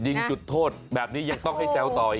จุดโทษแบบนี้ยังต้องให้แซวต่ออีก